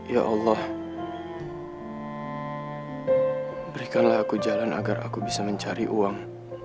ya allah berikanlah aku jalan agar aku bisa mencari uang